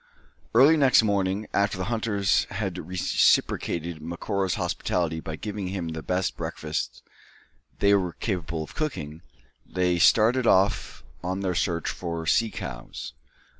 Early next morning, after the hunters had reciprocated Macora's hospitality by giving him the best breakfast they were capable of cooking, they started off on their search for sea cows.